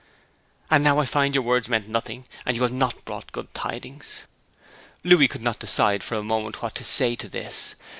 And now I find your words meant nothing, and you have not brought good tidings!' Louis could not decide for a moment what to say to this.